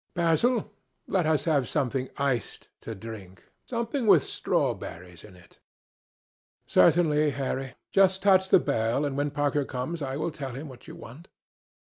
Basil, let us have something iced to drink, something with strawberries in it." "Certainly, Harry. Just touch the bell, and when Parker comes I will tell him what you want.